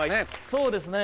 そうですね。